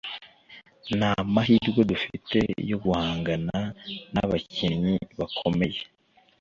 Nta mahirwe dufite yo guhangana nabakinnyi bakomeye